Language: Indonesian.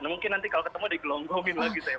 mungkin nanti kalau ketemu digelonggongin lagi saya